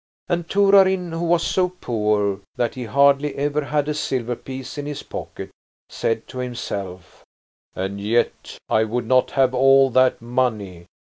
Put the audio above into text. And Torarin, who was so poor that he hardly ever had a silver piece in his pocket, said to himself: "And yet I would not have all that money.